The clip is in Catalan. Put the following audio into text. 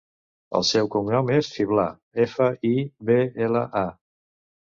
El seu cognom és Fibla: efa, i, be, ela, a.